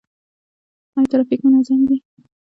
آیا ټرافیک منظم دی؟